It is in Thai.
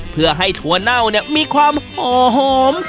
เพื่อให้ถั่วเน่าเนี่ยมีความหอม